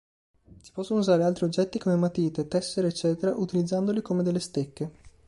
Si possono usare altri oggetti come matite, tessere ecc. utilizzandoli come delle stecche.